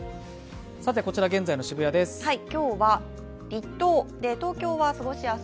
こちら、現在の渋谷です。